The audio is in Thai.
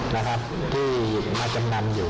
นะครับที่มาจำนำอยู่